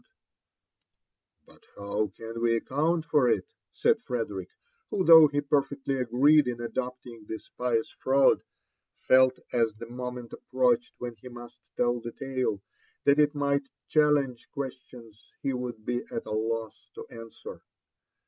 t50 ura AND ADVENTURES OF *' But how can we acoount for it T said Frederiok, who, though he perfectly agreed ia adopting this pious fraud, felt as the motdeDl ap proached when he must tell the tale, that it might chalieuge questions he should be at a loss to aoswer.